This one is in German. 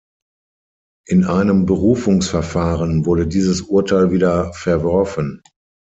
In einem Berufungsverfahren wurde dieses Urteil wieder verworfen.